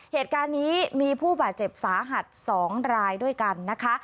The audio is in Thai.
เหตุการณ์นี้มีผู้บาดเจ็บสาหัส๒รายด้วยกันนะคะ